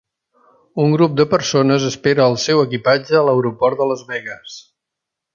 Un grup de persones espera el seu equipatge a l'aeroport de Las Vegas.